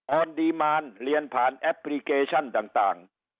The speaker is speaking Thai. ออนดีมานเรียนผ่านแอปพลิเคชันต่าง